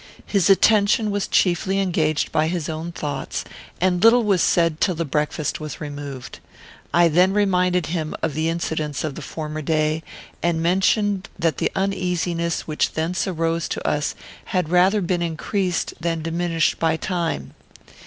His attention was chiefly engaged by his own thoughts, and little was said till the breakfast was removed. I then reminded him of the incidents of the former day, and mentioned that the uneasiness which thence arose to us had rather been increased than diminished by time.